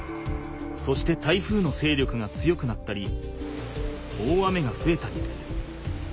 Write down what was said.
そして台風のせいりょくが強くなったり大雨がふえたりする。